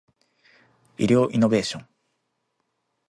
医療イノベーション